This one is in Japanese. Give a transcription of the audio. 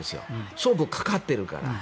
勝負がかかっているから。